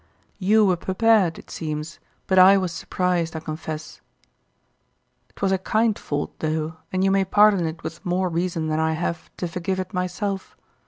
You were prepared, it seems, but I was surprised, I confess. 'Twas a kind fault though; and you may pardon it with more reason than I have to forgive it myself.